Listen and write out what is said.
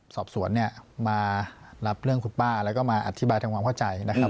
สอบสวนเนี่ยมารับเรื่องคุณป้าแล้วก็มาอธิบายทำความเข้าใจนะครับ